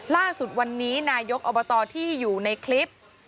ล่าสุดวันนี้นายกอบตที่อยู่ในคลิป